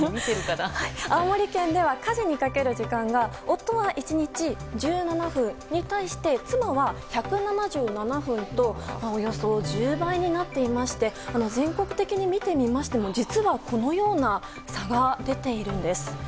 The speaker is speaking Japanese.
青森県では家事にかける時間が夫は１日１７分に対して、妻は１７７分とおよそ１０倍になっていまして全国的に見てみましてもこのような差が出ているんです。